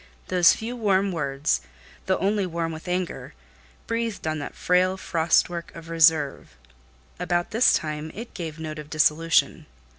Those few warm words, though only warm with anger, breathed on that frail frost work of reserve; about this time, it gave note of dissolution.